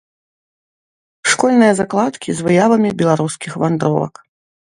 Школьныя закладкі з выявамі беларускіх вандровак.